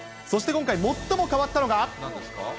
そして今回最も変わったのが。